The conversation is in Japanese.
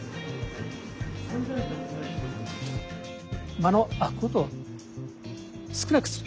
間の空くこと少なくする。